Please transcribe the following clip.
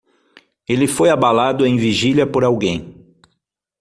Ele foi abalado em vigília por alguém.